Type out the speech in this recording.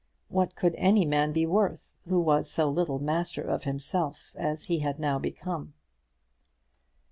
What could any man be worth who was so little master of himself as he had now become?